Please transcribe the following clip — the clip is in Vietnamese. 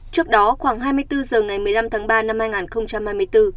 trước đó khoảng hai mươi bốn h ngày một mươi năm tháng ba năm hai nghìn hai mươi bốn